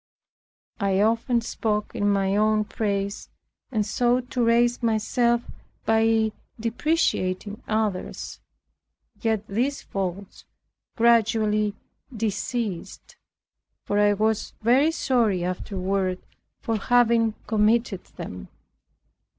I often spoke in my own praise, and sought to raise myself by depreciating others. Yet these faults gradually deceased; for I was very sorry afterward for having committed them.